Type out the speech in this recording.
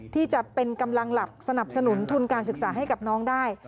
ที่จะเป็นกำลังหลักสนับสนุนทุนการศึกษาให้กับน้องได้